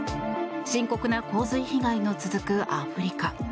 深刻な洪水被害の続くアフリカ。